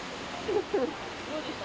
どうでした？